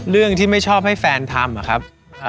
เรื่องที่ไม่ชอบให้แฟนทำอะครับ